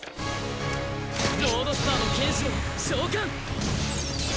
ロードスターの剣士を召喚！